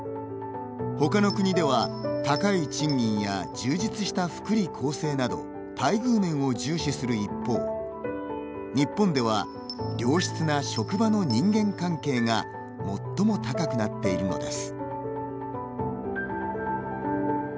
他の国では「高い賃金や充実した福利厚生」など待遇面を重視する一方日本では「良質な職場の人間関係」が最も高くなっているのです。